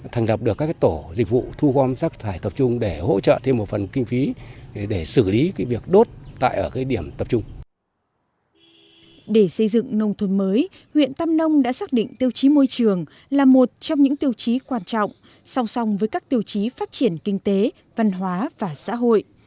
trong thời gian mới huyện tâm nông đã xác định tiêu chí môi trường là một trong những tiêu chí quan trọng song song với các tiêu chí phát triển kinh tế văn hóa và xã hội